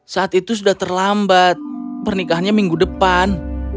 saat itu sudah terlambat pernikahannya minggu depan